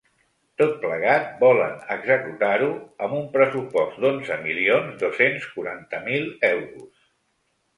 Tot plegat, volen executar-ho amb un pressupost d’onze milions dos-cents quaranta mil euros.